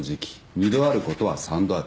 二度あることは三度ある。